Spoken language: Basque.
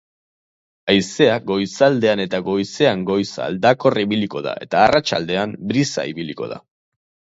Haizea goizaldean eta goizean goiz aldakor ibiliko da eta arratsaldean brisa ibiliko da.